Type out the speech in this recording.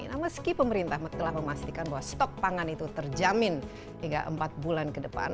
nah meski pemerintah telah memastikan bahwa stok pangan itu terjamin hingga empat bulan ke depan